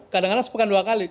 kadang kadang sepekan dua kali